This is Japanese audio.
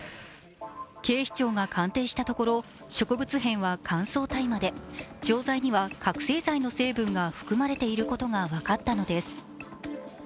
警視庁が鑑定したところ植物片は乾燥大麻で錠剤には覚醒剤の成分が含まれていることが分かったのです。